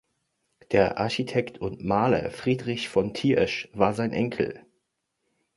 Der Architekt und Maler Friedrich von Thiersch war sein Enkel.